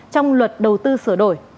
trong luật đầu tư sửa đổi